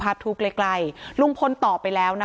การแก้เคล็ดบางอย่างแค่นั้นเอง